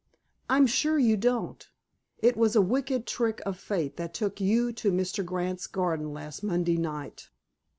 "I'm sure you don't. It was a wicked trick of Fate that took you to Mr. Grant's garden last Monday night."